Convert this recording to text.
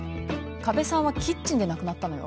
加部さんはキッチンで亡くなったのよ。